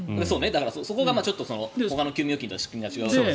そこがほかの休眠貯金とは仕組みが違うところ。